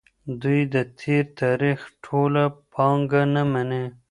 دوی د تېر تاریخ ټوله پانګه نه مني.